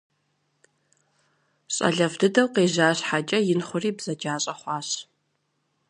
Щӏалэфӏ дыдэу къежьа щхьэкӏэ, ин хъури бзаджащӏэ хъуащ.